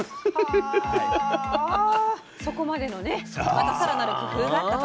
はそこまでのねまたさらなる工夫があったと。